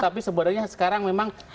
tapi sebenarnya sekarang memang